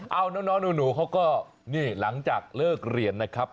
เอาน้องหนูเขาก็นี่หลังจากเลิกเรียนนะครับ